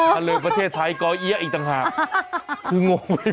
ทะเลประเทศไทยก็เอี๊ยะอีกต่างหากคืองงไปเวิร์ด